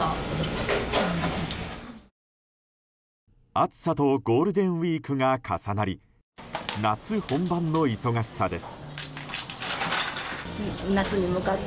暑さとゴールデンウィークが重なり夏本番の忙しさです。